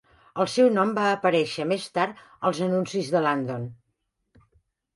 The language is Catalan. El seu nom va aparèixer més tard als anuncis de Landon.